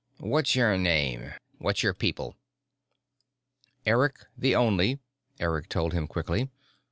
"What's your name what's your people?" "Eric the Only," Eric told him quickly.